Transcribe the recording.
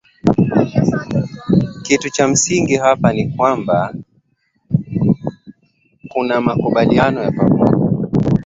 kitu cha msingi hapa ni kwamba kunamakumbaliano ya pamoja